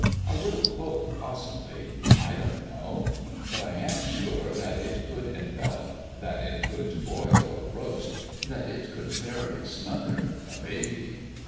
A little cloak, possibly : I don't know. But I am sure that it could envelop, that it could boil or roast, that it could fairly smother a baby!